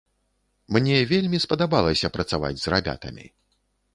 Мне вельмі спадабалася працаваць з рабятамі.